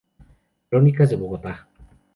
Crónicas de Bogotá.